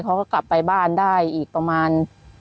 เขาก็กลับไปบ้านได้อีกประมาณ